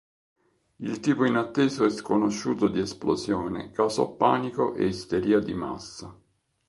Il tipo inatteso e sconosciuto di esplosione causò panico e isteria di massa.